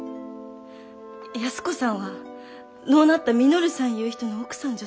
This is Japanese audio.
安子さんは亡うなった稔さんいう人の奥さんじゃ